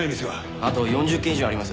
あと４０軒以上あります。